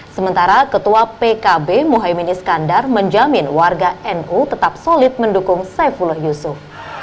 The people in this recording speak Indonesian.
sementara ketua pkb muhaymin iskandar menjamin warga nu tetap solid mendukung saifullah yusuf